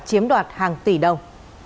chiếm đoạt hàng tỷ đồng